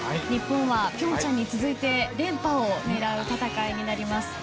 日本は平昌に続いて連覇を狙う戦いになります。